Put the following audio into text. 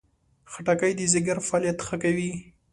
خټکی د ځیګر فعالیت ښه کوي.